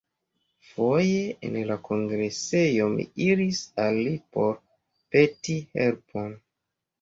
Foje en la kongresejo mi iris al li por peti helpon.